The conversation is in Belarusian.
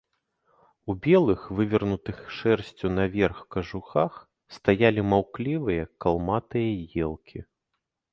У белых вывернутых шэрсцю наверх кажухах стаялі маўклівыя калматыя елкі.